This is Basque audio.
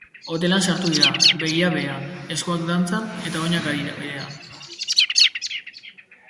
Hotelean sartu dira, begia behean, eskuak dantzan, oinak airean.